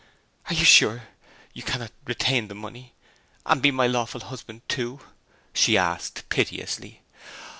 'Are you sure you cannot retain the money, and be my lawful husband too?' she asked piteously.